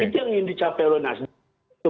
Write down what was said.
itu yang ingin dicapai oleh nasdem